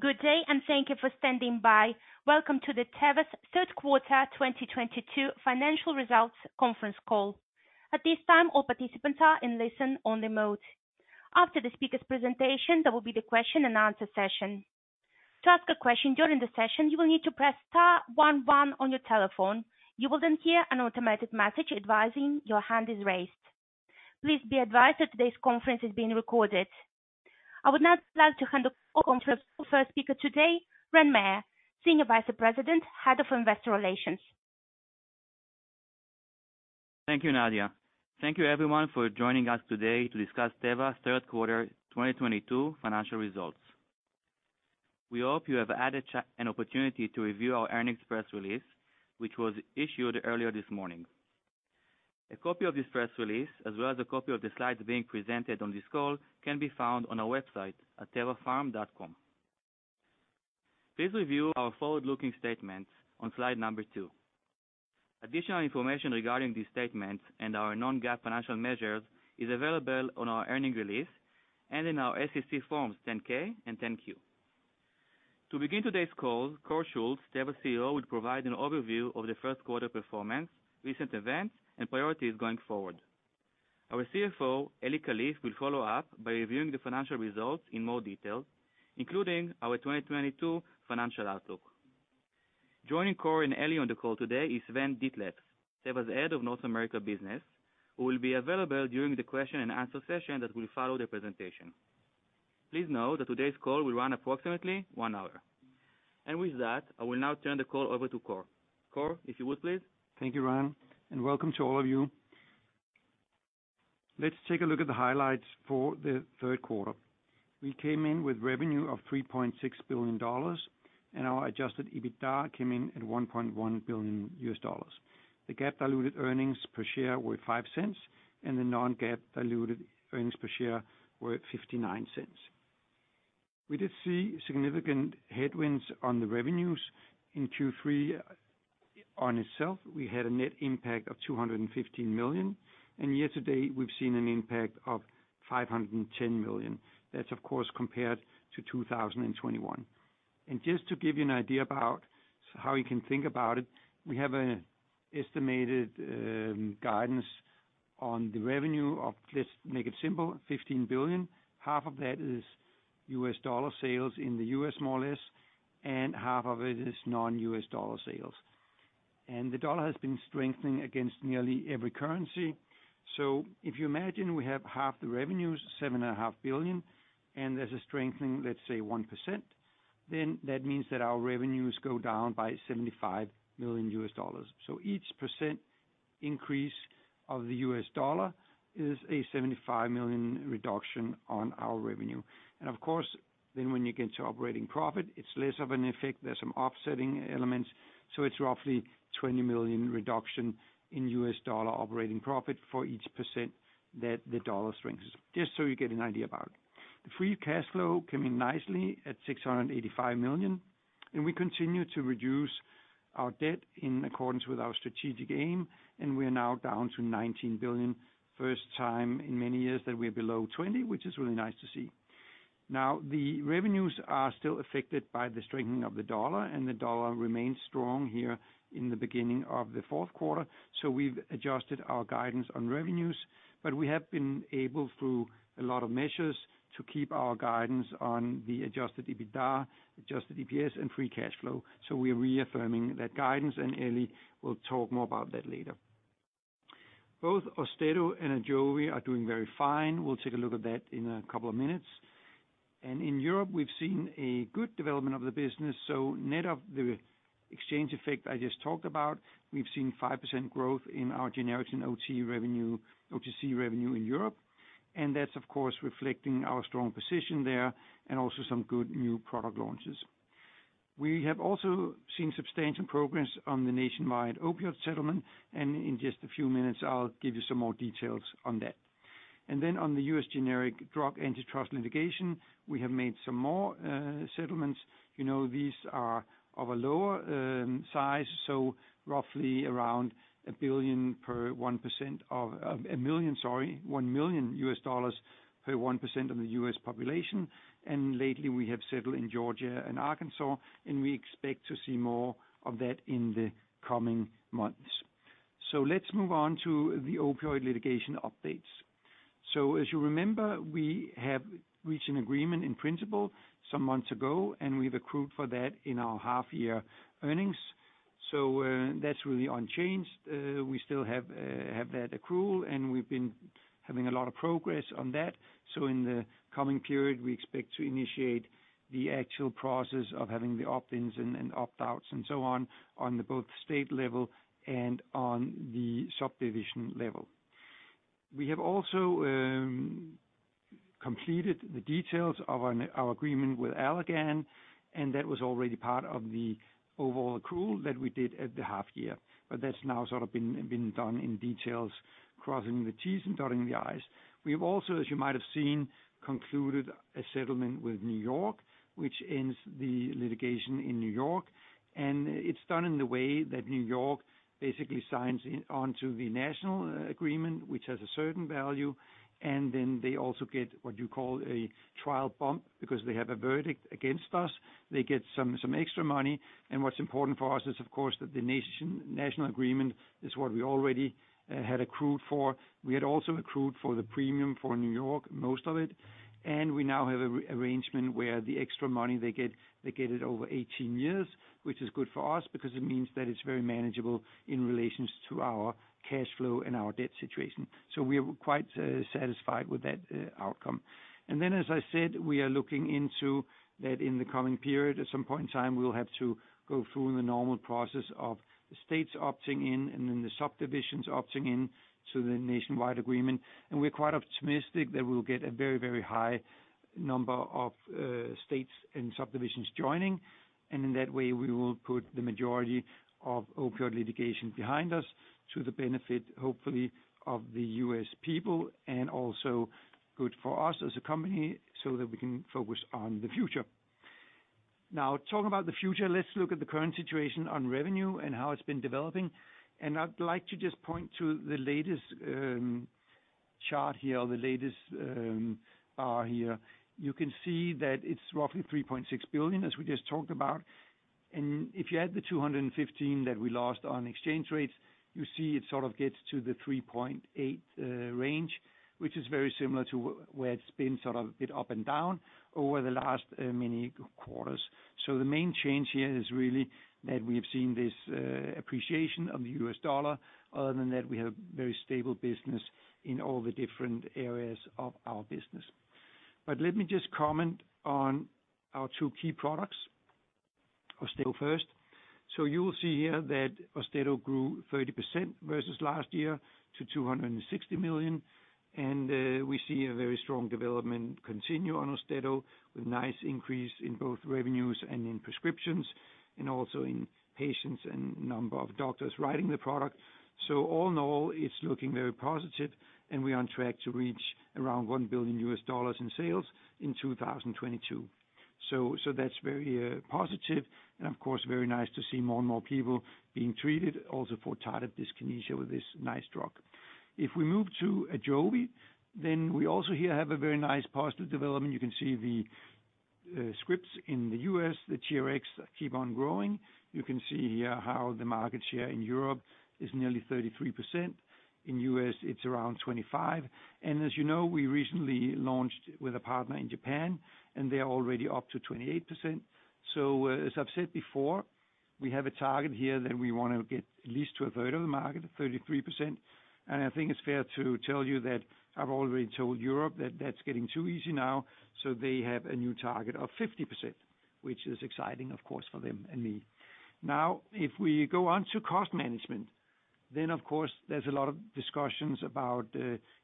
Good day and thank you for standing by. Welcome to Teva's third quarter 2022 financial results conference call. At this time, all participants are in listen-only mode. After the speaker's presentation, there will be the question and answer session. To ask a question during the session, you will need to press star one one on your telephone. You will then hear an automated message advising your hand is raised. Please be advised that today's conference is being recorded. I would now like to hand over the conference to our first speaker today, Ran Meir, Senior Vice President, Head of Investor Relations. Thank you, Nadia. Thank you everyone for joining us today to discuss Teva's third quarter 2022 financial results. We hope you have had an opportunity to review our earnings press release, which was issued earlier this morning. A copy of this press release, as well as a copy of the slides being presented on this call, can be found on our website at tevapharm.com. Please review our forward-looking statements on slide number two. Additional information regarding these statements and our non-GAAP financial measures is available on our earnings release and in our SEC forms 10-K and 10-Q. To begin today's call, Kåre Schultz, Teva's CEO, will provide an overview of the first quarter performance, recent events, and priorities going forward. Our CFO, Eli Kalif, will follow-up by reviewing the financial results in more detail, including our 2022 financial outlook. Joining Kåre and Eli on the call today is Sven Dethlefs, Teva's Head of North America business, who will be available during the question and answer session that will follow the presentation. Please note that today's call will run approximately one hour. With that, I will now turn the call over to Kåre. Kåre, if you would, please. Thank you, Ran, and welcome to all of you. Let's take a look at the highlights for the third quarter. We came in with revenue of $3.6 billion, and our adjusted EBITDA came in at $1.1 billion. The GAAP diluted earnings per share were $0.05, and the non-GAAP diluted earnings per share were $0.59. We did see significant headwinds on the revenues in Q3. On itself, we had a net impact of $215 million, and year to date, we've seen an impact of $510 million. That's of course, compared to 2021. Just to give you an idea about how you can think about it, we have an estimated guidance on the revenue of, let's make it simple, $15 billion. Half of that is US dollar sales in the U.S., more or less, and half of it is non-US dollar sales. The dollar has been strengthening against nearly every currency. If you imagine we have half the revenues, $7.5 billion, and there's a strengthening, let's say 1%, then that means that our revenues go down by $75 million US dollars. Each percent increase of the US dollar is a $75 million reduction on our revenue. Of course, then when you get to operating profit, it's less of an effect. There's some offsetting elements. It's roughly $20 million reduction in US dollar operating profit for each percent that the dollar strengthens. Just so you get an idea about it. The free cash flow came in nicely at $685 million, and we continue to reduce our debt in accordance with our strategic aim. We are now down to $19 billion, first time in many years that we're below 20, which is really nice to see. The revenues are still affected by the strengthening of the US dollar, and the US dollar remains strong here in the beginning of the fourth quarter. We've adjusted our guidance on revenues, but we have been able, through a lot of measures, to keep our guidance on the adjusted EBITDA, adjusted EPS and free cash flow. We are reaffirming that guidance, and Eli will talk more about that later. Both AUSTEDO and AJOVY are doing very fine. We'll take a look at that in a couple of minutes. In Europe, we've seen a good development of the business. Net of the exchange effect I just talked about, we've seen 5% growth in our generic and OT revenue in Europe. That's, of course, reflecting our strong position there and also some good new product launches. We have also seen substantial progress on the nationwide opioid settlement, and in just a few minutes, I'll give you some more details on that. Then on the U.S. generic drug antitrust litigation, we have made some more settlements. You know, these are of a lower size, so roughly around a 1 billion per 1% of a 1 million, $1 million per 1% of the U.S. population. Lately we have settled in Georgia and Arkansas, and we expect to see more of that in the coming months. Let's move on to the opioid litigation updates. As you remember, we have reached an agreement in principle some months ago, and we've accrued for that in our half year earnings. That's really unchanged. We still have that accrual, and we've been having a lot of progress on that. In the coming period, we expect to initiate the actual process of having the opt-ins and opt-outs and so on both state level and on the subdivision level. We have also completed the details of our agreement with Allergan, and that was already part of the overall accrual that we did at the half year. That's now sort of been done in details, crossing the T's and dotting the I's. We've also, as you might have seen, concluded a settlement with New York, which ends the litigation in New York, and it's done in the way that New York basically signs onto the national agreement, which has a certain value. Then they also get what you call a trial bump because they have a verdict against us. They get some extra money. What's important for us is of course that the national agreement is what we already had accrued for. We had also accrued for the premium for New York, most of it. We now have an arrangement where the extra money they get, they get it over 18 years, which is good for us because it means that it's very manageable in relation to our cash flow and our debt situation. We are quite satisfied with that outcome. As I said, we are looking into that in the coming period. At some point in time, we will have to go through the normal process of the states opting in, and then the subdivisions opting in to the nationwide agreement. We're quite optimistic that we'll get a very, very high number of states and subdivisions joining. In that way, we will put the majority of opioid litigation behind us to the benefit, hopefully, of the U.S. people and also good for us as a company so that we can focus on the future. Now talking about the future, let's look at the current situation on revenue and how it's been developing. I'd like to just point to the latest chart here, or the latest bar here. You can see that it's roughly $3.6 billion as we just talked about. If you add the 215 that we lost on exchange rates, you see it sort of gets to the 3.8 range, which is very similar to where it's been, sort of a bit up and down over the last many quarters. The main change here is really that we have seen this appreciation of the US dollar. Other than that, we have very stable business in all the different areas of our business. Let me just comment on our two key products, AUSTEDO first. You'll see here that AUSTEDO grew 30% versus last year to $260 million. We see a very strong development continue on AUSTEDO with nice increase in both revenues and in prescriptions, and also in patients and number of doctors writing the product. All in all, it's looking very positive, and we're on track to reach around $1 billion in sales in 2022. That's very positive and of course very nice to see more and more people being treated also for tardive dyskinesia with this nice drug. If we move to AJOVY, we also here have a very nice positive development. You can see the scripts in the U.S., the TRX keep on growing. You can see here how the market share in Europe is nearly 33%. In U.S., it's around 25%. As you know, we recently launched with a partner in Japan, and they're already up to 28%. As I've said before, we have a target here that we wanna get at least to 1/3 of the market, 33%. I think it's fair to tell you that I've already told Europe that that's getting too easy now, so they have a new target of 50%, which is exciting, of course, for them and me. Now, if we go on to cost management, then of course there's a lot of discussions about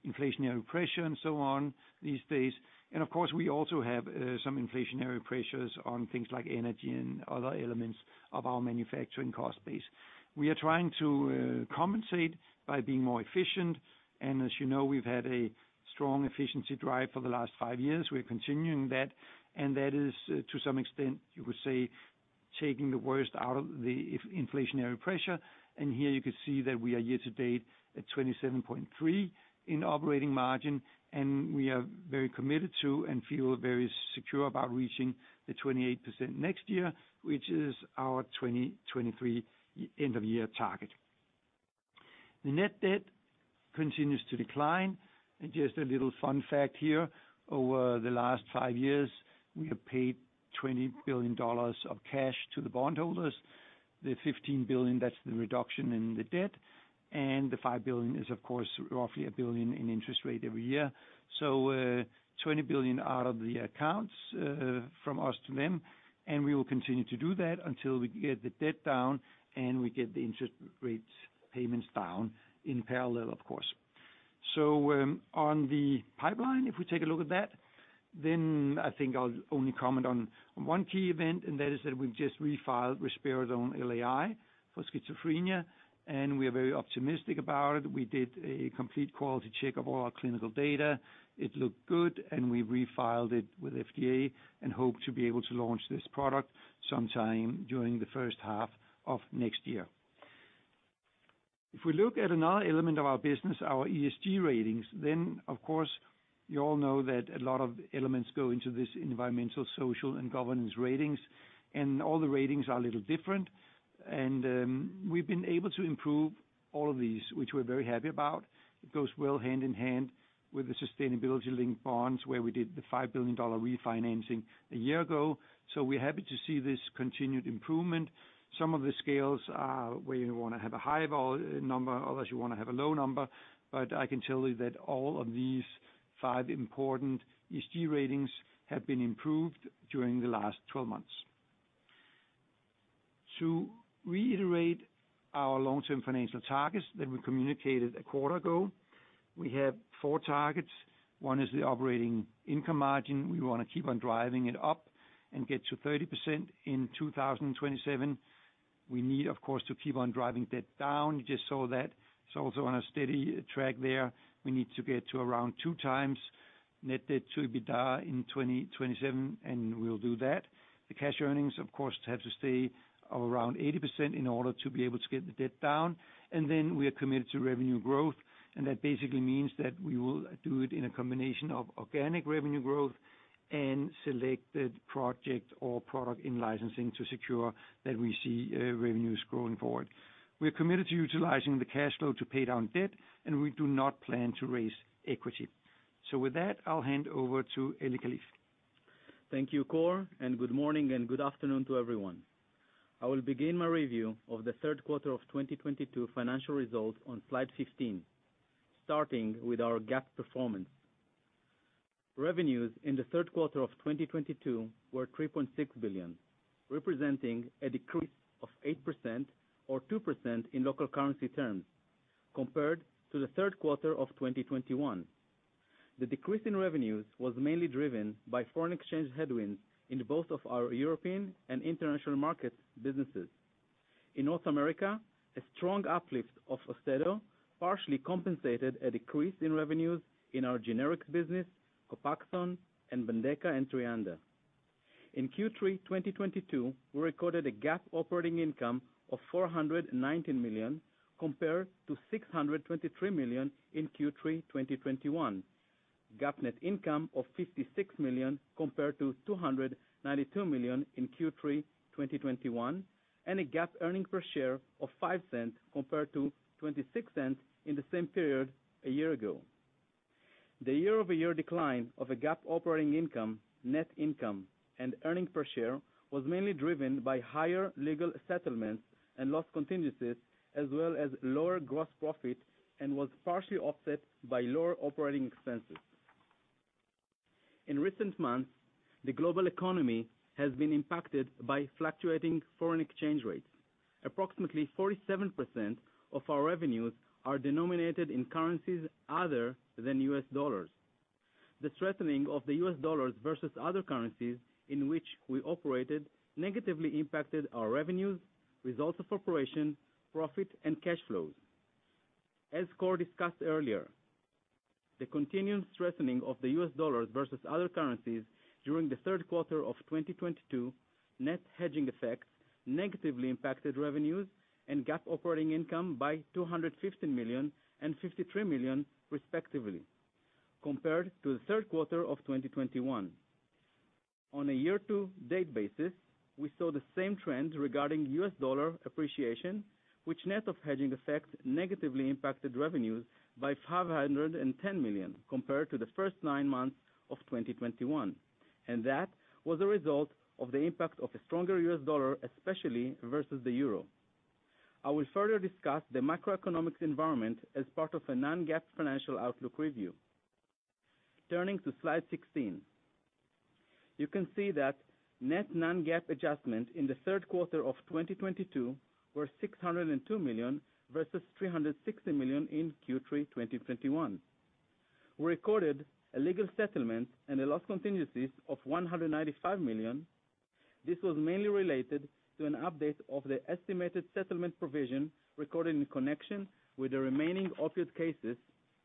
inflationary pressure and so on these days. Of course, we also have some inflationary pressures on things like energy and other elements of our manufacturing cost base. We are trying to compensate by being more efficient. As you know, we've had a strong efficiency drive for the last five years. We're continuing that. That is, to some extent, you would say, taking the worst out of the inflationary pressure. Here you can see that we are year to date at 27.3% in operating margin, and we are very committed to and feel very secure about reaching the 28% next year, which is our 2023 year-end target. The net debt continues to decline. Just a little fun fact here, over the last five years, we have paid $20 billion of cash to the bondholders. The $15 billion, that's the reduction in the debt, and the $5 billion is of course, roughly $1 billion in interest payments every year. Twenty billion out of the accounts, from us to them, and we will continue to do that until we get the debt down and we get the interest payments down in parallel, of course. on the pipeline, if we take a look at that, then I think I'll only comment on one key event, and that is that we've just refiled risperidone LAI for schizophrenia, and we're very optimistic about it. We did a complete quality check of all our clinical data. It looked good, and we refiled it with FDA and hope to be able to launch this product sometime during the first half of next year. If we look at another element of our business, our ESG ratings, then of course you all know that a lot of elements go into this environmental, social, and governance ratings. All the ratings are a little different. We've been able to improve all of these, which we're very happy about. It goes well hand in hand with the sustainability-linked bonds, where we did the $5 billion refinancing a year ago. We're happy to see this continued improvement. Some of the scales are where you wanna have a high number, others you wanna have a low number. I can tell you that all of these five important ESG ratings have been improved during the last 12 months. To reiterate our long-term financial targets that we communicated a quarter ago, we have four targets. One is the operating income margin. We wanna keep on driving it up and get to 30% in 2027. We need, of course, to keep on driving debt down. You just saw that. It's also on a steady track there. We need to get to around 2x net debt to EBITDA in 2027, and we'll do that. The cash earnings, of course, have to stay around 80% in order to be able to get the debt down. We are committed to revenue growth. That basically means that we will do it in a combination of organic revenue growth and selected project or product in-licensing to secure that we see revenues growing forward. We are committed to utilizing the cash flow to pay down debt, and we do not plan to raise equity. With that, I'll hand over to Eli Kalif. Thank you, Kåre, and good morning and good afternoon to everyone. I will begin my review of the third quarter of 2022 financial results on slide 15, starting with our GAAP performance. Revenues in the third quarter of 2022 were $3.6 billion, representing a decrease of 8% or 2% in local currency terms compared to the third quarter of 2021. The decrease in revenues was mainly driven by foreign exchange headwinds in both of our European and international market businesses. In North America, a strong uplift of AUSTEDO partially compensated a decrease in revenues in our generics business, COPAXONE and BENDEKA and TREANDA. In Q3 2022, we recorded a GAAP operating income of $419 million compared to $623 million in Q3 2021. GAAP net income of $56 million compared to $292 million in Q3 2021, and a GAAP earnings per share of $0.05 compared to $0.26 in the same period a year ago. The year-over-year decline of GAAP operating income, net income, and earnings per share was mainly driven by higher legal settlements and loss contingencies, as well as lower gross profit, and was partially offset by lower operating expenses. In recent months, the global economy has been impacted by fluctuating foreign exchange rates. Approximately 47% of our revenues are denominated in currencies other than US dollars. The strengthening of the US dollar versus other currencies in which we operate negatively impacted our revenues, results of operations, profit, and cash flows. As Kåre discussed earlier, the continued strengthening of the US dollar versus other currencies during the third quarter of 2022, net hedging effects negatively impacted revenues and GAAP operating income by $215 million and $53 million respectively compared to the third quarter of 2021. On a year-to-date basis, we saw the same trend regarding US dollar appreciation, which net of hedging effects negatively impacted revenues by $510 million compared to the first nine months of 2021. That was a result of the impact of a stronger US dollar, especially versus the euro. I will further discuss the macroeconomic environment as part of a non-GAAP financial outlook review. Turning to slide 16. You can see that net non-GAAP adjustments in the third quarter of 2022 were $602 million, versus $360 million in Q3 2021. We recorded a legal settlement and loss contingencies of $195 million. This was mainly related to an update of the estimated settlement provision recorded in connection with the remaining opioid cases,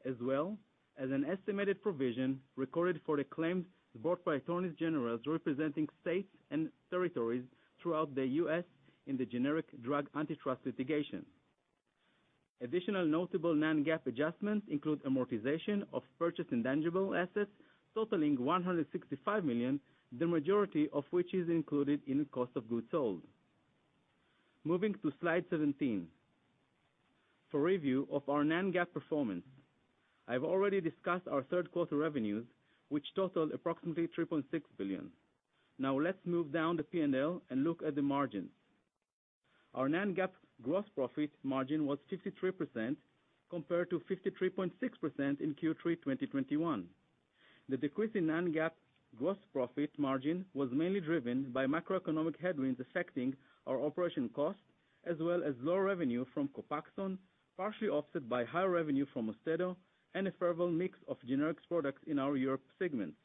as well as an estimated provision recorded for the claims brought by attorneys general representing states and territories throughout the U.S. in the generic drug antitrust litigation. Additional notable non-GAAP adjustments include amortization of purchased intangible assets totaling $165 million, the majority of which is included in the cost of goods sold. Moving to slide 17. For review of our non-GAAP performance, I've already discussed our third quarter revenues, which totaled approximately $3.6 billion. Now let's move down the P&L and look at the margins. Our non-GAAP gross profit margin was 63% compared to 53.6% in Q3 2021. The decrease in non-GAAP gross profit margin was mainly driven by macroeconomic headwinds affecting our operation costs, as well as low revenue from COPAXONE, partially offset by higher revenue from AUSTEDO and a favorable mix of generics products in our Europe segments.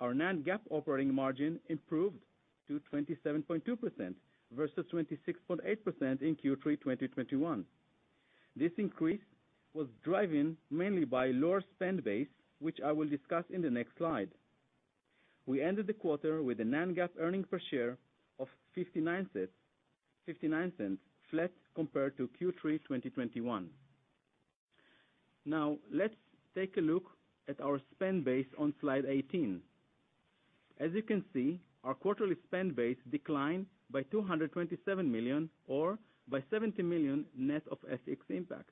Our non-GAAP operating margin improved to 27.2% versus 26.8% in Q3 2021. This increase was driven mainly by lower spend base, which I will discuss in the next slide. We ended the quarter with a non-GAAP earning per share of $0.59, $0.59 flat compared to Q3 2021. Now, let's take a look at our spend base on slide 18. As you can see, our quarterly spend base declined by $227 million or by $70 million net of FX impact.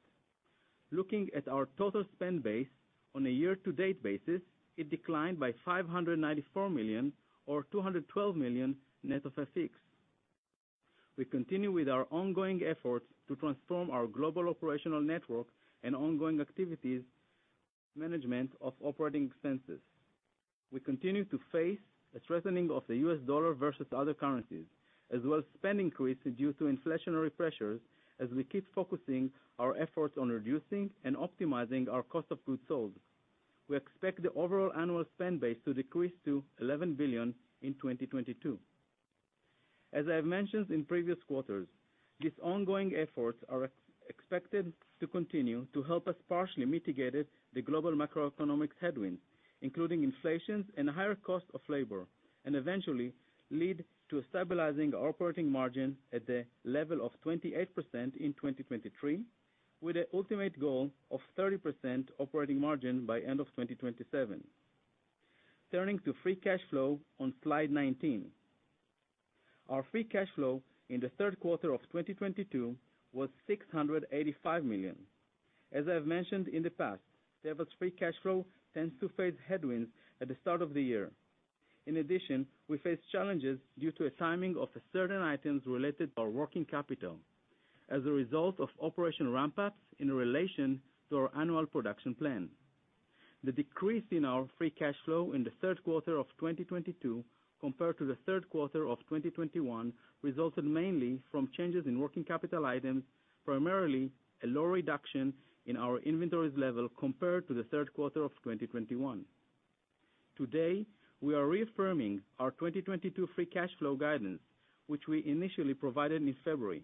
Looking at our total spend base on a year-to-date basis, it declined by $594 million or $212 million net of FX. We continue with our ongoing efforts to transform our global operational network and ongoing activities, management of operating expenses. We continue to face a strengthening of the US dollar versus other currencies, as well as spend increase due to inflationary pressures, as we keep focusing our efforts on reducing and optimizing our cost of goods sold. We expect the overall annual spend base to decrease to $11 billion in 2022. I have mentioned in previous quarters, these ongoing efforts are expected to continue to help us partially mitigate it, the global macroeconomic headwinds, including inflation and higher cost of labor, and eventually lead to stabilizing our operating margin at the level of 28% in 2023, with the ultimate goal of 30% operating margin by end of 2027. Turning to free cash flow on slide 19. Our free cash flow in the third quarter of 2022 was $685 million. I've mentioned in the past, Teva's free cash flow tends to face headwinds at the start of the year. In addition, we face challenges due to a timing of certain items related to our working capital as a result of operation ramp-ups in relation to our annual production plan. The decrease in our free cash flow in the third quarter of 2022 compared to the third quarter of 2021 resulted mainly from changes in working capital items, primarily a low reduction in our inventories level compared to the third quarter of 2021. Today, we are reaffirming our 2022 free cash flow guidance, which we initially provided in February.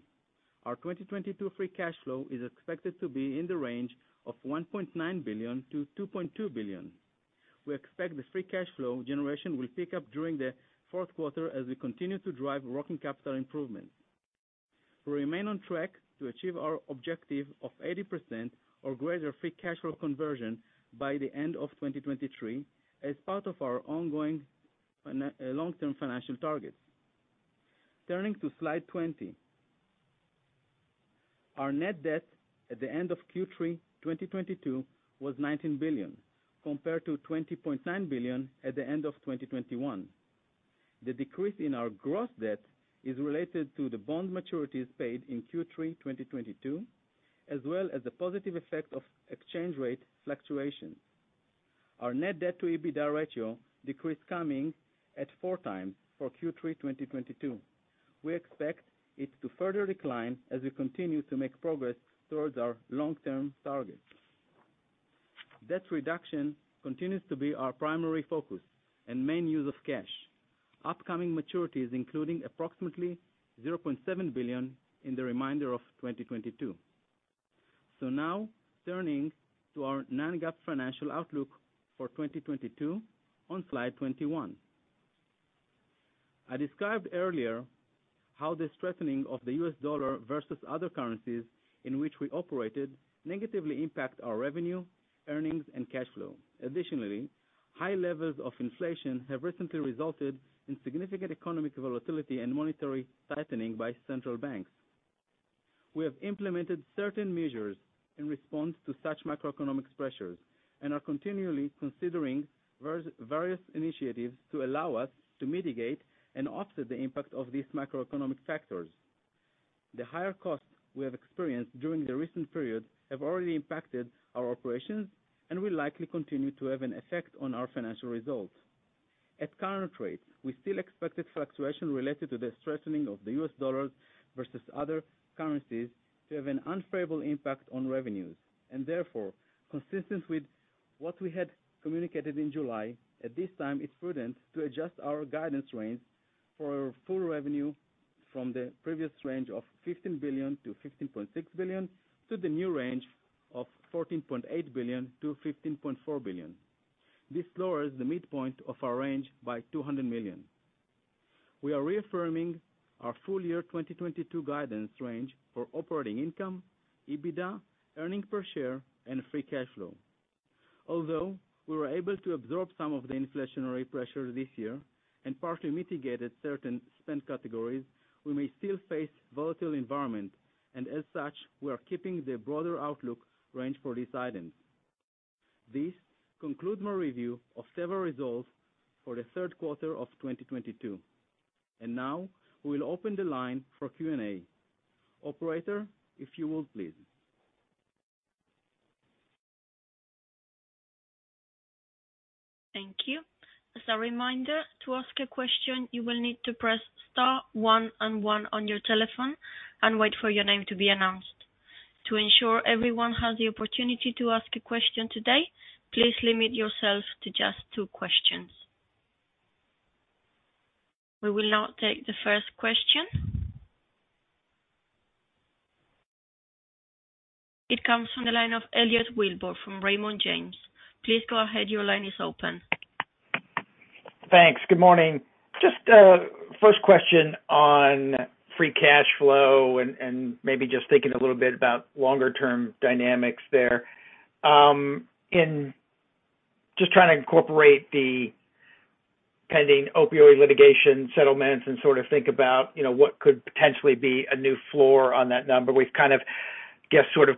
Our 2022 free cash flow is expected to be in the range of $1.9 billion-$2.2 billion. We expect the free cash flow generation will pick up during the fourth quarter as we continue to drive working capital improvements. We remain on track to achieve our objective of 80% or greater free cash flow conversion by the end of 2023 as part of our ongoing long-term financial targets. Turning to slide 20. Our net debt at the end of Q3 2022 was $19 billion, compared to $20.9 billion at the end of 2021. The decrease in our gross debt is related to the bond maturities paid in Q3 2022, as well as the positive effect of exchange rate fluctuations. Our net debt to EBITDA ratio decreased coming in at 4x for Q3 2022. We expect it to further decline as we continue to make progress towards our long-term targets. Debt reduction continues to be our primary focus and main use of cash. Upcoming maturities, including approximately $0.7 billion in the remainder of 2022. Now turning to our non-GAAP financial outlook for 2022 on slide 21. I described earlier how the strengthening of the US dollar versus other currencies in which we operated negatively impact our revenue, earnings, and cash flow. Additionally, high levels of inflation have recently resulted in significant economic volatility and monetary tightening by central banks. We have implemented certain measures in response to such macroeconomic pressures and are continually considering various initiatives to allow us to mitigate and offset the impact of these macroeconomic factors. The higher costs we have experienced during the recent period have already impacted our operations and will likely continue to have an effect on our financial results. At current rates, we still expect the fluctuation related to the strengthening of the US dollar versus other currencies to have an unfavorable impact on revenues, and therefore, consistent with what we had communicated in July, at this time, it's prudent to adjust our guidance range for our full revenue from the previous range of $15 billion-$15.6 billion to the new range of $14.8 billion-$15.4 billion. This lowers the midpoint of our range by $200 million. We are reaffirming our full-year 2022 guidance range for operating income, EBITDA, earnings per share, and free cash flow. Although we were able to absorb some of the inflationary pressure this year and partly mitigated certain spend categories, we may still face volatile environment, and as such, we are keeping the broader outlook range for these items. This concludes my review of Teva results for the third quarter of 2022. Now we will open the line for Q&A. Operator, if you would, please. Thank you. As a reminder, to ask a question, you will need to press star one and one on your telephone and wait for your name to be announced. To ensure everyone has the opportunity to ask a question today, please limit yourself to just two questions. We will now take the first question. It comes from the line of Elliot Wilbur from Raymond James. Please go ahead. Your line is open. Thanks. Good morning. Just first question on free cash flow and maybe just thinking a little bit about longer-term dynamics there. Just trying to incorporate the pending opioid litigation settlements and sort of think about, you know, what could potentially be a new floor on that number. We've kind of, I guess, sort of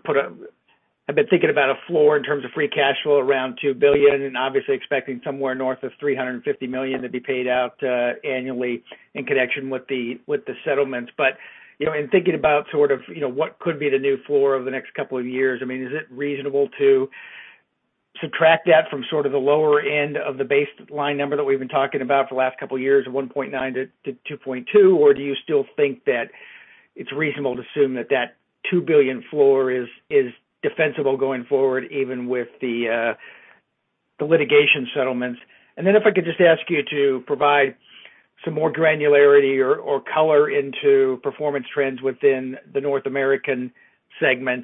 I've been thinking about a floor in terms of free cash flow around $2 billion and obviously expecting somewhere north of $350 million to be paid out annually in connection with the settlements. You know, in thinking about sort of, you know, what could be the new floor over the next couple of years, I mean, is it reasonable to subtract that from sort of the lower end of the baseline number that we've been talking about for the last couple of years of $1.9-$2.2? Or do you still think that it's reasonable to assume that that $2 billion floor is defensible going forward, even with the litigation settlements. If I could just ask you to provide some more granularity or color into performance trends within the North American segment,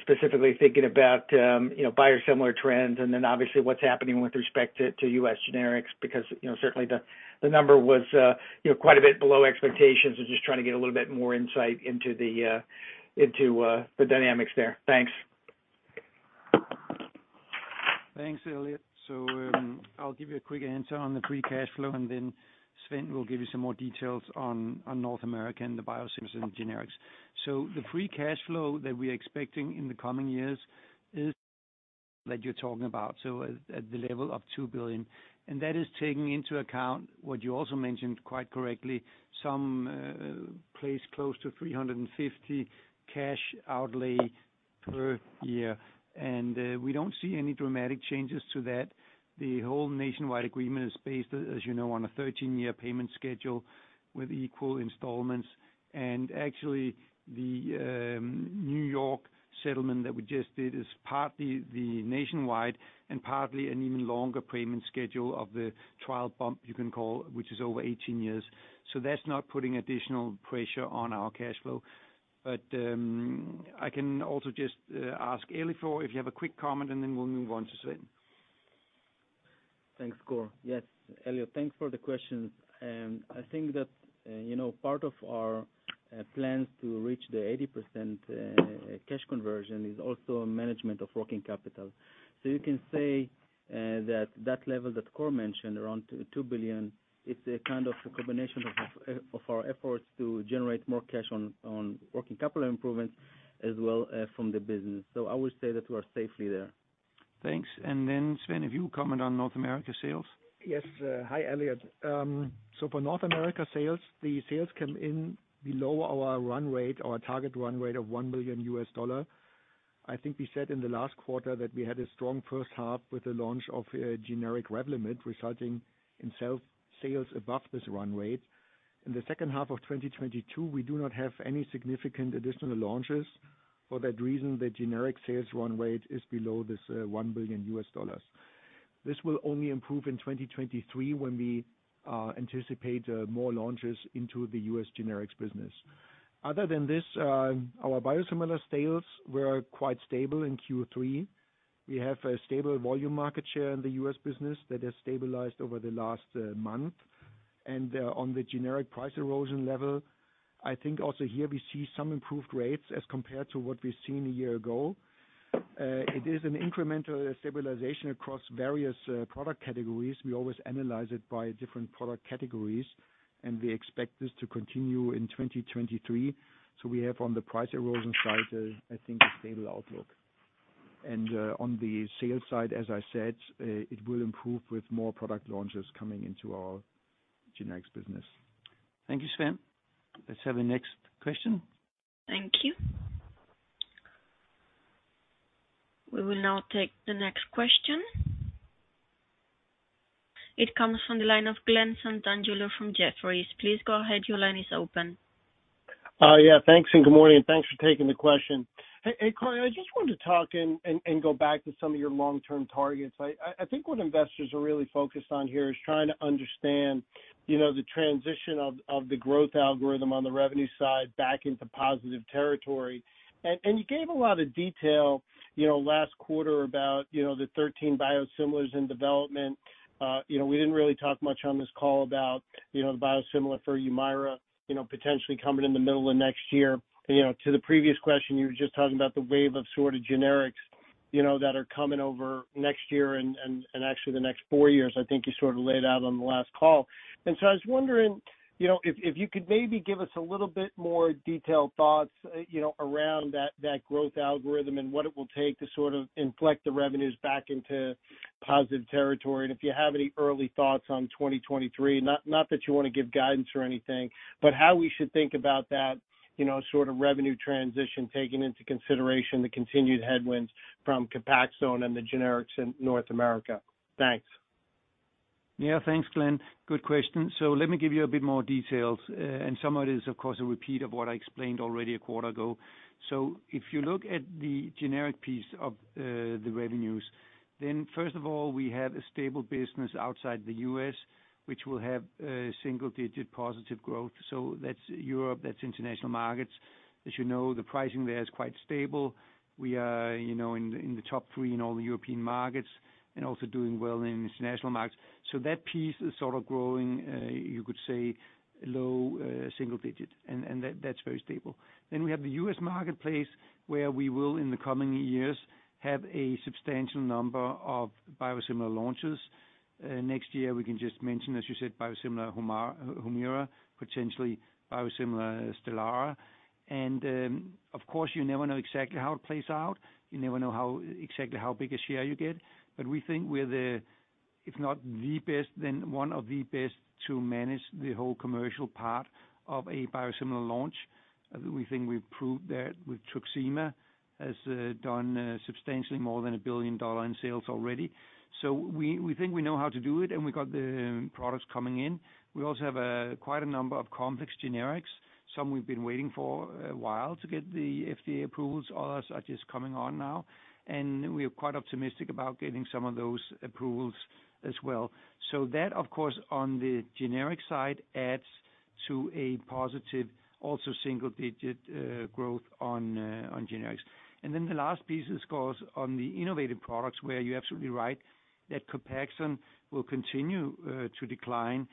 specifically thinking about, you know, biosimilar trends and then obviously what's happening with respect to U.S. generics because, you know, certainly the number was quite a bit below expectations. I was just trying to get a little bit more insight into the dynamics there. Thanks. Thanks, Elliot. I'll give you a quick answer on the free cash flow, and then Sven will give you some more details on North America and the biosimilars and generics. The free cash flow that we're expecting in the coming years is that you're talking about, at the level of $2 billion. That is taking into account what you also mentioned quite correctly, someplace close to $350 million cash outlay per year. We don't see any dramatic changes to that. The whole nationwide agreement is based, as you know, on a 13-year payment schedule with equal installments. Actually, the New York settlement that we just did is partly the nationwide and partly an even longer payment schedule of the trial bump you can call, which is over 18 years. That's not putting additional pressure on our cash flow. I can also just ask Eli Kalif if you have a quick comment, and then we'll move on to Sven. Thanks, Kåre. Yes, Elliot, thanks for the question. I think that, you know, part of our plans to reach the 80% cash conversion is also management of working capital. You can say that level that Kåre mentioned, around $2 billion, it's a kind of a combination of our efforts to generate more cash on working capital improvements as well, from the business. I would say that we're safely there. Thanks. Sven, if you comment on North America sales. Yes. Hi, Elliot. For North America sales, the sales come in below our run rate or target run rate of $1 billion. I think we said in the last quarter that we had a strong first half with the launch of a generic Revlimid, resulting in sales above this run rate. In the second half of 2022, we do not have any significant additional launches. For that reason, the generic sales run rate is below this, one billion US dollars. This will only improve in 2023 when we anticipate more launches into the U.S. generics business. Other than this, our biosimilar sales were quite stable in Q3. We have a stable volume market share in the U.S. business that has stabilized over the last month. On the generic price erosion level, I think also here we see some improved rates as compared to what we've seen a year ago. It is an incremental stabilization across various product categories. We always analyze it by different product categories, and we expect this to continue in 2023. We have on the price erosion side, I think a stable outlook. On the sales side, as I said, it will improve with more product launches coming into our generics business. Thank you, Sven. Let's have a next question. Thank you. We will now take the next question. It comes from the line of Glen Santangelo from Jefferies. Please go ahead. Your line is open. Yeah, thanks and good morning. Thanks for taking the question. Hey, Kåre, I just wanted to talk and go back to some of your long-term targets. I think what investors are really focused on here is trying to understand, you know, the transition of the growth algorithm on the revenue side back into positive territory. You gave a lot of detail, you know, last quarter about, you know, the 13 biosimilars in development. You know, we didn't really talk much on this call about, you know, the biosimilar for Humira, you know, potentially coming in the middle of next year. You know, to the previous question, you were just talking about the wave of sort of generics, you know, that are coming over next year and actually the next four years, I think you sort of laid out on the last call. I was wondering, you know, if you could maybe give us a little bit more detailed thoughts, you know, around that growth algorithm and what it will take to sort of inflect the revenues back into positive territory. If you have any early thoughts on 2023, not that you wanna give guidance or anything, but how we should think about that, you know, sort of revenue transition taking into consideration the continued headwinds from COPAXONE and the generics in North America. Thanks. Yeah, thanks, Glen. Good question. Let me give you a bit more details, and some of it is, of course, a repeat of what I explained already a quarter ago. If you look at the generic piece of the revenues, then first of all, we have a stable business outside the U.S., which will have a single-digit positive growth. That's Europe, that's international markets. As you know, the pricing there is quite stable. We are, you know, in the top three in all the European markets and also doing well in international markets. That piece is sort of growing, you could say low single-digit, and that's very stable. Then we have the U.S. marketplace, where we will, in the coming years, have a substantial number of biosimilar launches. Next year, we can just mention, as you said, biosimilar Humira, potentially biosimilar Stelara. Of course, you never know exactly how it plays out. You never know how, exactly how big a share you get. We think we're the, if not the best, then one of the best to manage the whole commercial part of a biosimilar launch. We think we've proved that with Truxima has done substantially more than $1 billion in sales already. We think we know how to do it, and we got the products coming in. We also have quite a number of complex generics. Some we've been waiting for a while to get the FDA approvals. Others are just coming on now, and we are quite optimistic about getting some of those approvals as well. That, of course, on the generic side, adds to a positive, also single-digit, growth on generics. Then the last piece of this goes on the innovative products where you're absolutely right that COPAXONE will continue to decline.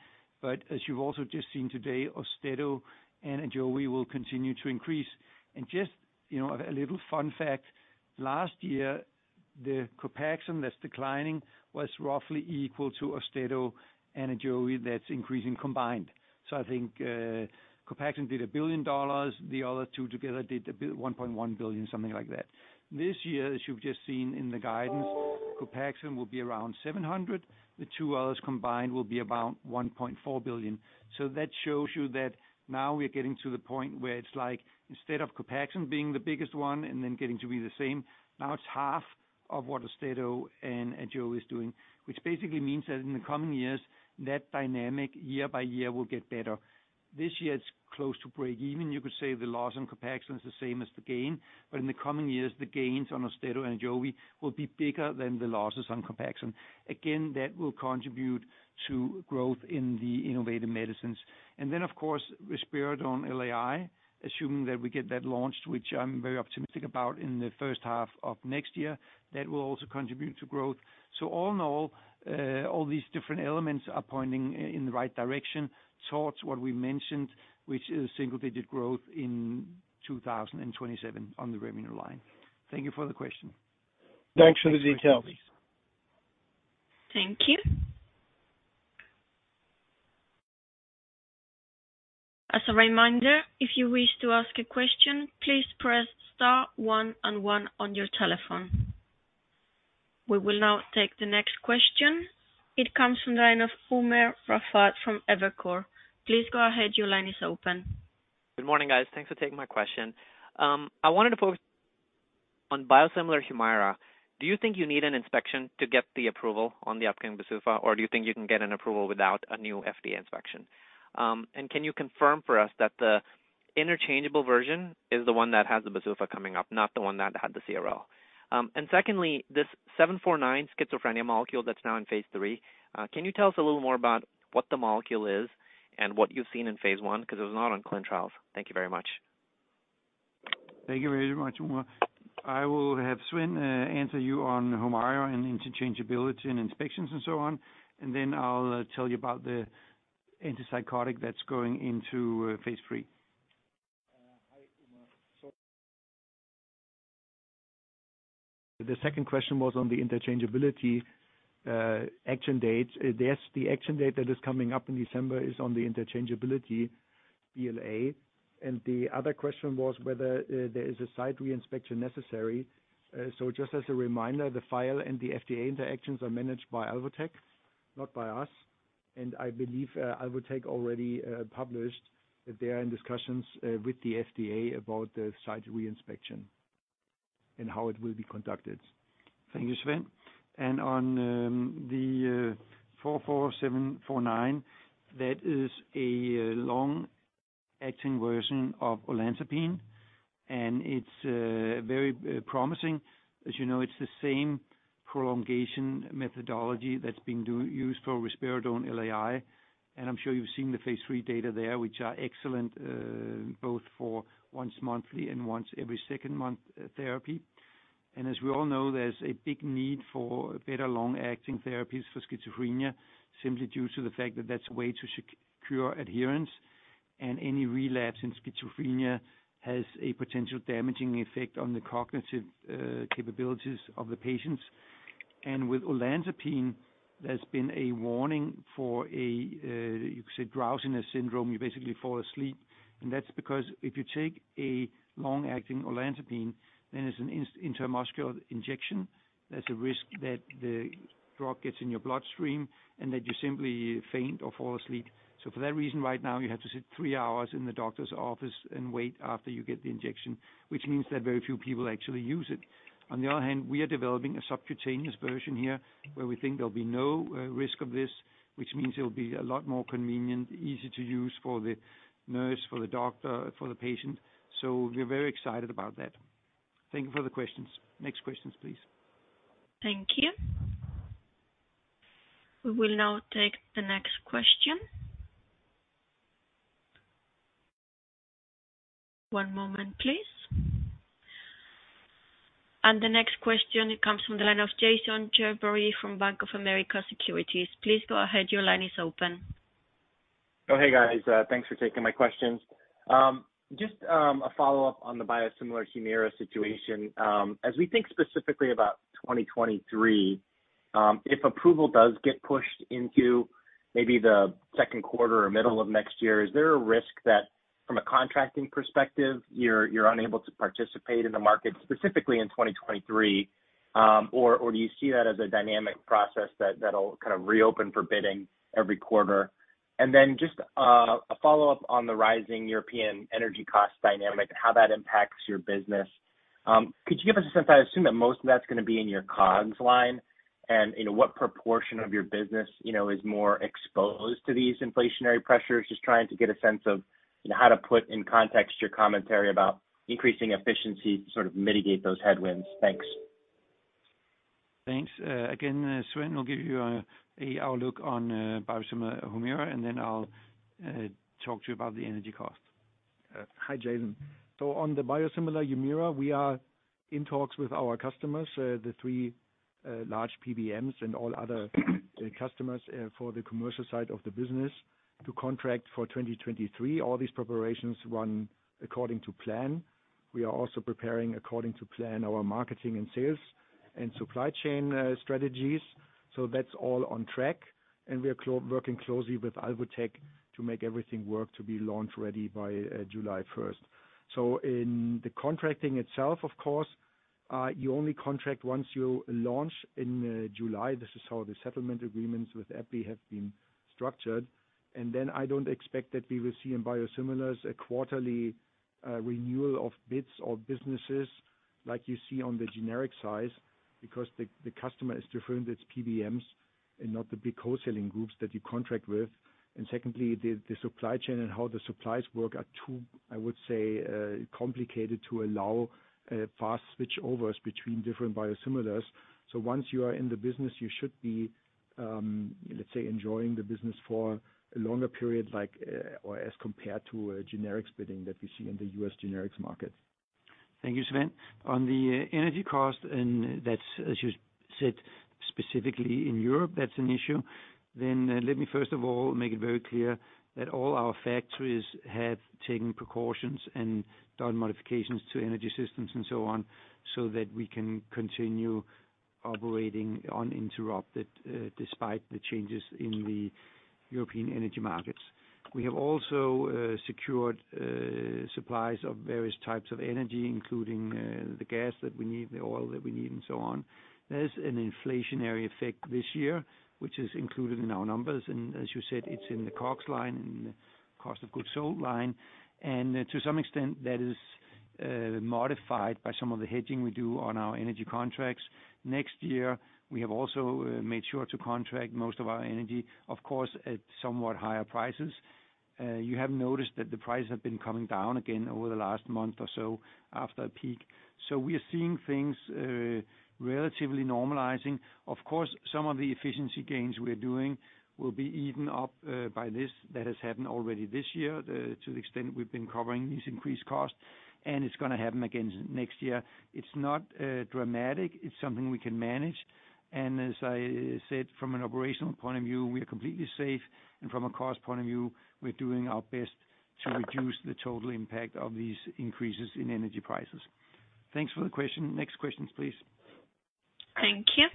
As you've also just seen today, AUSTEDO and AJOVY will continue to increase. Just, you know, a little fun fact, last year, the COPAXONE that's declining was roughly equal to AUSTEDO and AJOVY that's increasing combined. I think, COPAXONE did $1 billion. The other two together did $1.1 billion, something like that. This year, as you've just seen in the guidance, COPAXONE will be around $700 million. The two others combined will be about $1.4 billion. That shows you that now we're getting to the point where it's like, instead of COPAXONE being the biggest one and then getting to be the same, now it's half of what AUSTEDO and AJOVY is doing. Which basically means that in the coming years, that dynamic year by year will get better. This year, it's close to break even. You could say the loss on COPAXONE is the same as the gain, but in the coming years, the gains on AUSTEDO and AJOVY will be bigger than the losses on COPAXONE. Again, that will contribute to growth in the innovative medicines. Of course, risperidone LAI, assuming that we get that launched, which I'm very optimistic about in the first half of next year, that will also contribute to growth. All in all these different elements are pointing in the right direction towards what we mentioned, which is single-digit growth in 2027 on the revenue line. Thank you for the question. Thanks for the details. Thank you. As a reminder, if you wish to ask a question, please press star one and one on your telephone. We will now take the next question. It comes from the line of Umer Raffat from Evercore. Please go ahead. Your line is open. Good morning, guys. Thanks for taking my question. I wanted to focus on biosimilar Humira. Do you think you need an inspection to get the approval on the upcoming BsUFA, or do you think you can get an approval without a new FDA inspection? Can you confirm for us that the interchangeable version is the one that has the BsUFA coming up, not the one that had the CRL? Secondly, this 749 schizophrenia molecule that's now in phase III, can you tell us a little more about what the molecule is and what you've seen in phase I? Because it was not on clinical trials. Thank you very much. Thank you very much, Umer. I will have Sven answer you on Humira and interchangeability and inspections and so on. I'll tell you about the antipsychotic that's going into phase III. Hi, Umer. The second question was on the interchangeability action date. Yes, the action date that is coming up in December is on the interchangeability BLA. The other question was whether there is a site reinspection necessary. Just as a reminder, the file and the FDA interactions are managed by Alvotech, not by us. I believe Alvotech already published that they are in discussions with the FDA about the site reinspection and how it will be conducted. Thank you, Sven. On TEV-749, that is a long-acting version of olanzapine, and it's very promising. As you know, it's the same prolongation methodology that's been used for risperidone LAI. I'm sure you've seen the phase III data there, which are excellent, both for once-monthly and once every second month therapy. As we all know, there's a big need for better long-acting therapies for schizophrenia, simply due to the fact that that's a way to secure adherence. Any relapse in schizophrenia has a potential damaging effect on the cognitive capabilities of the patients. With olanzapine, there's been a warning for a drowsiness syndrome. You basically fall asleep. That's because if you take a long-acting olanzapine, then it's an intramuscular injection. There's a risk that the drug gets in your bloodstream and that you simply faint or fall asleep. For that reason, right now, you have to sit three hours in the doctor's office and wait after you get the injection, which means that very few people actually use it. On the other hand, we are developing a subcutaneous version here where we think there'll be no risk of this, which means it'll be a lot more convenient, easy to use for the nurse, for the doctor, for the patient. We're very excited about that. Thank you for the questions. Next questions, please. Thank you. We will now take the next question. One moment, please. The next question comes from the line of Jason Gerberry from Bank of America Securities. Please go ahead. Your line is open. Thanks for taking my questions. Just a follow-up on the biosimilar Humira situation. As we think specifically about 2023, if approval does get pushed into maybe the second quarter or middle of next year, is there a risk that from a contracting perspective, you're unable to participate in the market, specifically in 2023? Or do you see that as a dynamic process that that'll kind of reopen for bidding every quarter? Then just a follow-up on the rising European energy cost dynamic and how that impacts your business. Could you give us a sense, I assume that most of that's gonna be in your COGS line, and you know, what proportion of your business, you know, is more exposed to these inflationary pressures? Just trying to get a sense of, you know, how to put in context your commentary about increasing efficiency to sort of mitigate those headwinds. Thanks. Thanks. Again, Sven will give you an outlook on biosimilar Humira, and then I'll talk to you about the energy costs. Hi Jason. On the biosimilar Humira, we are in talks with our customers, the three, large PBMs and all other, customers, for the commercial side of the business to contract for 2023. All these preparations run according to plan. We are also preparing according to plan our marketing and sales and supply chain, strategies. That's all on track, and we are working closely with Alvotech to make everything work to be launch ready by, July 1st. In the contracting itself, of course, you only contract once you launch in, July. This is how the settlement agreements with AbbVie have been structured. I don't expect that we will see in biosimilars a quarterly renewal of bids or businesses like you see on the generic side because the customer is different, it's PBMs and not the big wholesaling groups that you contract with. Secondly, the supply chain and how the supplies work are too, I would say, complicated to allow fast switchovers between different biosimilars. Once you are in the business, you should be, let's say, enjoying the business for a longer period, like or as compared to a generics bidding that we see in the U.S. generics market. Thank you, Sven. On the energy cost, that's as you said, specifically in Europe, that's an issue. Let me first of all make it very clear that all our factories have taken precautions and done modifications to energy systems and so on, so that we can continue operating uninterrupted despite the changes in the European energy markets. We have also secured supplies of various types of energy, including the gas that we need, the oil that we need, and so on. There's an inflationary effect this year, which is included in our numbers, and as you said, it's in the COGS line, in the cost of goods sold line. To some extent that is modified by some of the hedging we do on our energy contracts. Next year, we have also made sure to contract most of our energy, of course, at somewhat higher prices. You have noticed that the prices have been coming down again over the last month or so after a peak. We are seeing things relatively normalizing. Of course, some of the efficiency gains we are doing will be eaten up by this. That has happened already this year to the extent we've been covering these increased costs, and it's gonna happen again next year. It's not dramatic. It's something we can manage. As I said from an operational point of view, we are completely safe. From a cost point of view, we're doing our best to reduce the total impact of these increases in energy prices. Thanks for the question. Next questions, please. Thank you.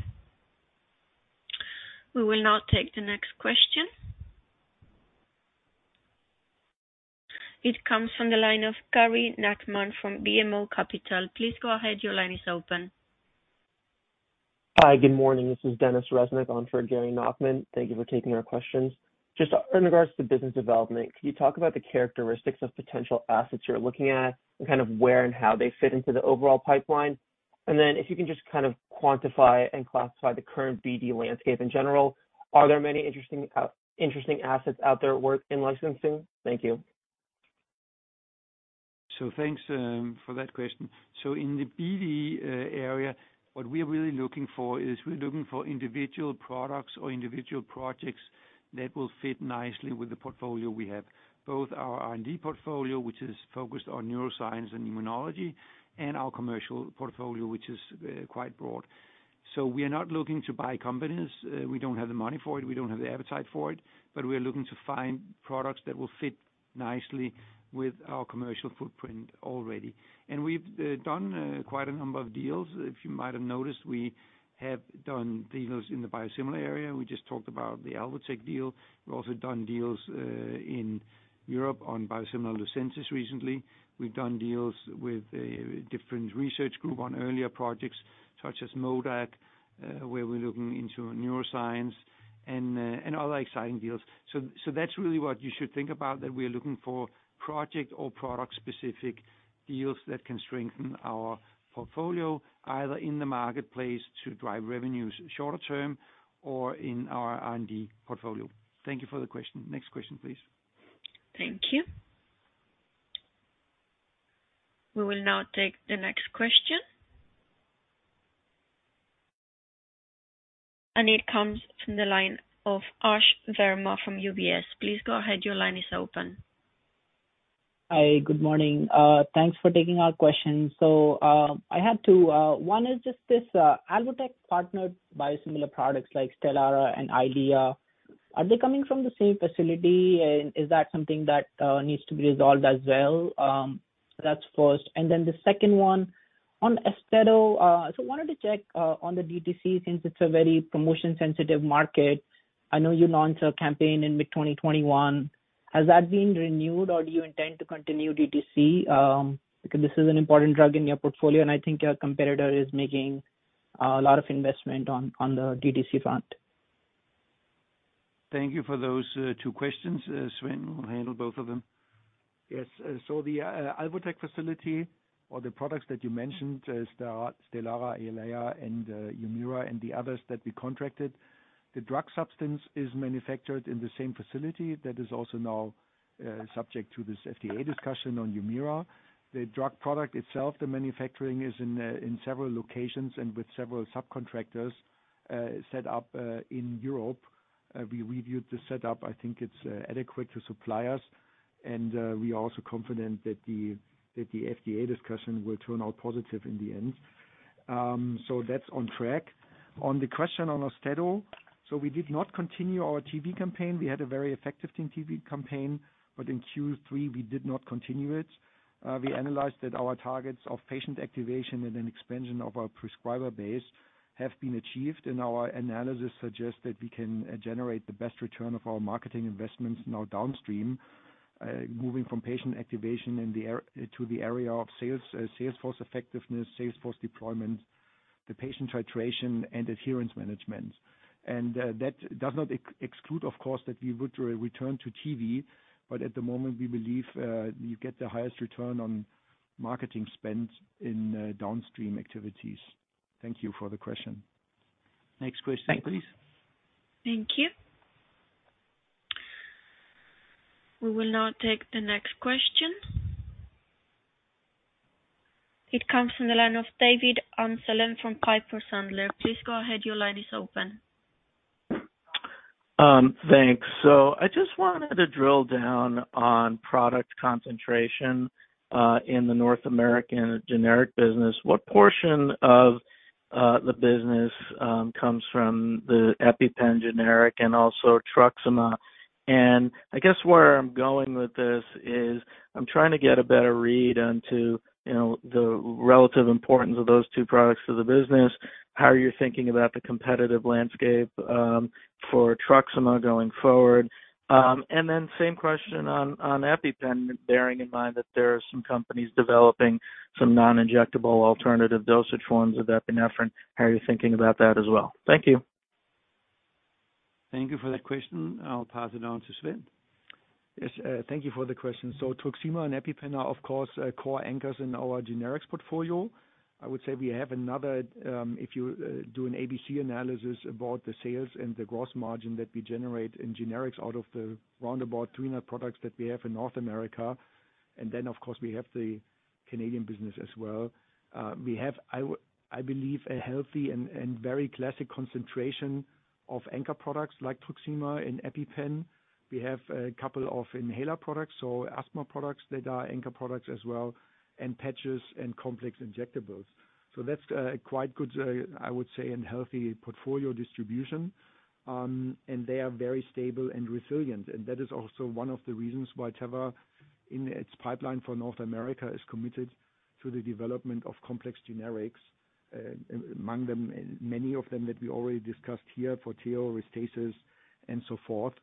We will now take the next question. It comes from the line of Gary Nachman from BMO Capital. Please go ahead. Your line is open. Hi, good morning. This is Denis Reznik on for Gary Nachman. Thank you for taking our questions. Just in regards to business development, can you talk about the characteristics of potential assets you're looking at and kind of where and how they fit into the overall pipeline? Then if you can just kind of quantify and classify the current BD landscape in general, are there many interesting assets out there worth in licensing? Thank you. Thanks for that question. In the BD area, what we are really looking for is we are looking for individual products or individual projects that will fit nicely with the portfolio we have. Both our R&D portfolio, which is focused on neuroscience and immunology, and our commercial portfolio, which is quite broad. We are not looking to buy companies. We don't have the money for it, we don't have the appetite for it, but we are looking to find products that will fit nicely with our commercial footprint already. We've done quite a number of deals. If you might have noticed, we have done deals in the biosimilar area. We just talked about the Alvotech deal. We've also done deals in Europe on biosimilar Lucentis recently. We've done deals with a different research group on earlier projects such as MODAG, where we're looking into neuroscience and other exciting deals. That's really what you should think about, that we are looking for project or product specific deals that can strengthen our portfolio, either in the marketplace to drive revenues shorter-term or in our R&D portfolio. Thank you for the question. Next question, please. Thank you. We will now take the next question. It comes from the line of Ash Verma from UBS. Please go ahead. Your line is open. Hi, good morning. Thanks for taking our question. I had two. One is just this, Alvotech partnered biosimilar products like Stelara and Eylea. Are they coming from the same facility, and is that something that needs to be resolved as well? That's first. The second one on AUSTEDO. Wanted to check on the DTC since it's a very promotion sensitive market. I know you launched a campaign in mid 2021.Has that been renewed or do you intend to continue DTC? Because this is an important drug in your portfolio, and I think your competitor is making a lot of investment on the DTC front. Thank you for those two questions. Sven will handle both of them. Yes. The Alvotech facility or the products that you mentioned, Stelara, Eylea and Humira and the others that we contracted, the drug substance is manufactured in the same facility that is also now subject to this FDA discussion on Humira. The drug product itself, the manufacturing is in several locations and with several subcontractors set up in Europe. We reviewed the setup. I think it's adequate to suppliers and we are also confident that the FDA discussion will turn out positive in the end. That's on track. On the question on AUSTEDO, we did not continue our TV campaign. We had a very effective TV campaign, but in Q3 we did not continue it. We analyzed that our targets of patient activation and an expansion of our prescriber base have been achieved and our analysis suggests that we can generate the best return on our marketing investments now downstream, moving from patient activation to the area of sales force effectiveness, sales force deployment, the patient titration and adherence management. That does not exclude, of course, that we would return to TV, but at the moment we believe you get the highest return on marketing spend in downstream activities. Thank you for the question. Next question, please. Thank you. We will now take the next question. It comes from the line of David Amsellem from Piper Sandler. Please go ahead. Your line is open. Thanks. So I just wanted to drill down on product concentration in the North American generic business. What portion of the business comes from the EpiPen generic and also TRUXIMA? I guess where I'm going with this is I'm trying to get a better read onto, you know, the relative importance of those two products to the business. How are you thinking about the competitive landscape for TRUXIMA going forward? And then same question on EpiPen, bearing in mind that there are some companies developing some non-injectable alternative dosage forms of epinephrine. How are you thinking about that as well? Thank you. Thank you for that question. I'll pass it on to Sven. Yes. Thank you for the question. TRUXIMA and EpiPen are of course core anchors in our generics portfolio. I would say we have another, if you do an ABC analysis about the sales and the gross margin that we generate in generics out of the roundabout 300 net products that we have in North America. Of course we have the Canadian business as well. We have I believe a healthy and very classic concentration of anchor products like TRUXIMA and EpiPen. We have a couple of inhaler products or asthma products that are anchor products as well, and patches and complex injectables. That's a quite good, I would say and healthy portfolio distribution. And they are very stable and resilient. That is also one of the reasons why Teva in its pipeline for North America is committed to the development of complex generics, among them, many of them that we already discussed here, ProAir, RESTASIS and so forth.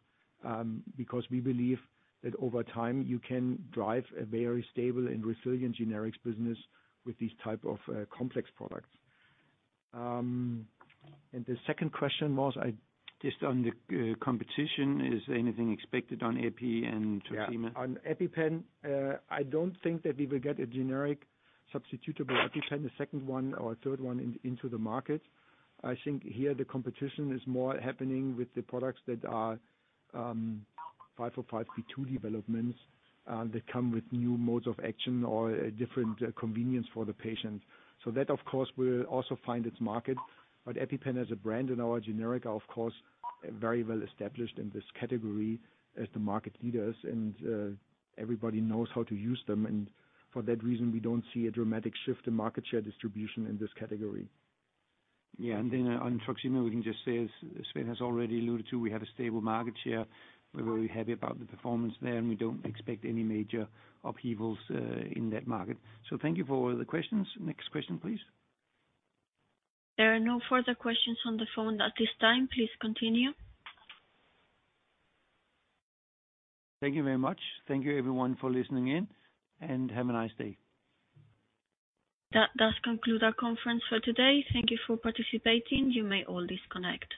Because we believe that over time you can drive a very stable and resilient generics business with these type of, complex products. The second question was I- Just on the competition. Is anything expected on Epi and TRUXIMA? Yeah. On EpiPen, I don't think that we will get a generic substitutable EpiPen, the second one or third one in, into the market. I think here the competition is more happening with the products that are 505(b)(2) developments, that come with new modes of action or a different convenience for the patient. That of course will also find its market. EpiPen as a brand in our generic are of course very well established in this category as the market leaders. Everybody knows how to use them, and for that reason we don't see a dramatic shift in market share distribution in this category. Yeah. On TRUXIMA we can just say, as Sven has already alluded to, we have a stable market share. We're very happy about the performance there, and we don't expect any major upheavals in that market. Thank you for all the questions. Next question please. There are no further questions on the phone at this time. Please continue. Thank you very much. Thank you everyone for listening in and have a nice day. That does conclude our conference for today. Thank you for participating. You may all disconnect.